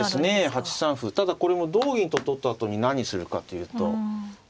ただこれも同銀と取ったあとに何するかというと実は難しい。